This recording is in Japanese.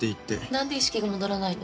「なんで意識が戻らないの？」